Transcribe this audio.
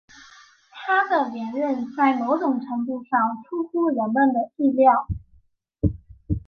他的连任在某种程度上出乎人们的意料。